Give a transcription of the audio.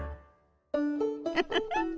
ウフフ。